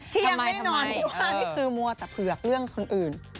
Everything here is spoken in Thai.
ที่ยังไม่ได้นอนที่ว่านี่คือมัวแต่เผือกเรื่องคนอื่น